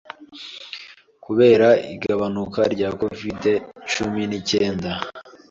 kubera 'igabanuka' rya Covid-cumi nicyenda